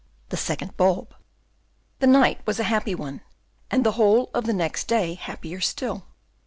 The Second Bulb The night was a happy one, and the whole of the next day happier still.